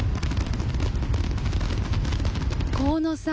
河野さん